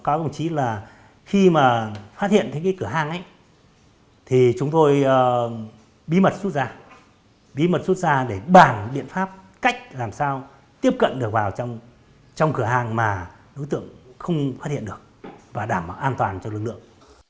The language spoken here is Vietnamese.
có đồng chí là khi mà phát hiện cái cửa hang ấy thì chúng tôi bí mật xuất ra để bàn biện pháp cách làm sao tiếp cận được vào trong cửa hang mà đối tượng không phát hiện được và đảm bảo an toàn cho lực lượng